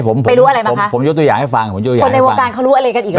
ผมไม่รู้อะไรมาผมผมยกตัวอย่างให้ฟังผมยกอย่างคนในวงการเขารู้อะไรกันอีก